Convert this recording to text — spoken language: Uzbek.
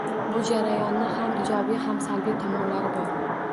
Bu jarayonning ham ijobiy, ham salbiy tomonlari bor.